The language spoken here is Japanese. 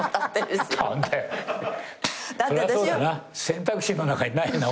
選択肢の中にないよな